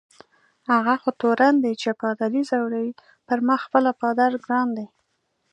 هغه خو تورن دی چي پادري ځوروي، پر ما خپله پادر ګران دی.